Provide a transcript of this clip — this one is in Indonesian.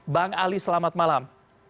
bang ali selamat malam